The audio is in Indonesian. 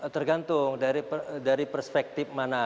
tergantung dari perspektif mana